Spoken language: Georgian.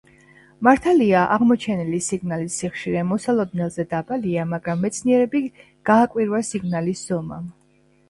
მართალია, აღმოჩენილი სიგნალის სიხშირე მოსალოდნელზე დაბალია, მაგრამ მეცნიერები გააკვირვა სიგნალის ზომამ.